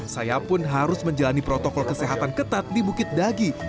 saya pun harus menjalani protokol kesehatan ketat di bukit dagi